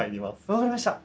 分かりました。